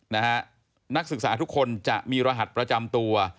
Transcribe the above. นักศึกษาทุกคนจะมีรหัสประจำตัว